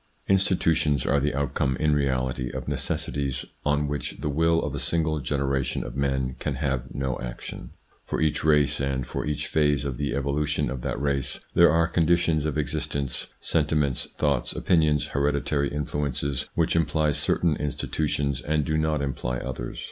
Institutions are the outcome in reality of necessities on which the will of a single generation of men can have no action. For each race, and for each phase of the evolution of that race, there are conditions of existence, sentiments, thoughts, opinions, hereditary influences which imply certain institutions and do not imply others.